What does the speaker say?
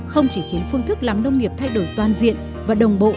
không chỉ khiến phương thức làm nông nghiệp thay đổi toàn diện và đồng bộ